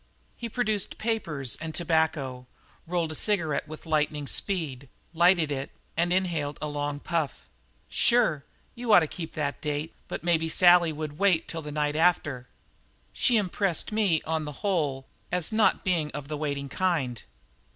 He produced papers and tobacco, rolled a cigarette with lightning speed, lighted it, and inhaled a long puff. "Sure, you ought to keep that date, but maybe Sally would wait till the night after." "She impressed me, on the whole, as not being of the waiting kind."